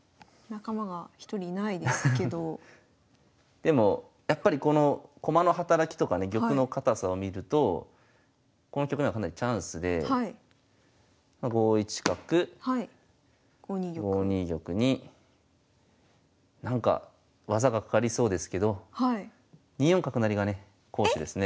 でもやっぱりこの駒の働きとかね玉の堅さを見るとこの局面はかなりチャンスで５一角５二玉になんか技がかかりそうですけど２四角成がね好手ですね。